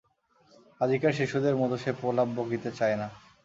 আজিকার শিশুদের মত সে প্রলাপ বকিতে চায় না।